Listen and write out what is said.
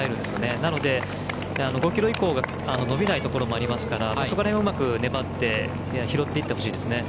なので、５ｋｍ以降が伸びないところもありますからそこら辺をうまく粘って拾っていってほしいですね。